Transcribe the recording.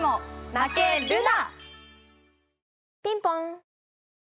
ピンポン。